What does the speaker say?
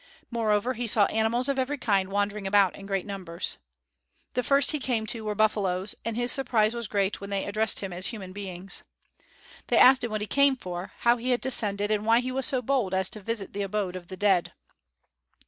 Moreover he saw animals of every kind wandering about in great numbers. The first he came to were buffalos; and his surprise was great when they addressed him as human beings. They asked him what he came for, how he had descended, and why he was so bold as to visit the abode of the dead.